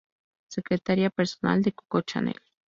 Secretaria personal de Coco Chanel.